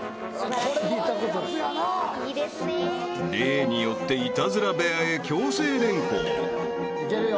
［例によってイタズラ部屋へ強制連行］いけるよ。